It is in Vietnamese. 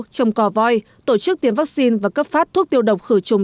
trồng cò voi tổ chức tiêm vaccine và cấp phát thuốc tiêu độc khử trùng